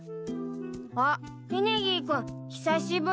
あっフェネギー君久しぶり。